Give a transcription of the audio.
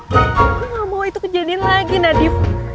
aku gak mau itu kejadian lagi nadif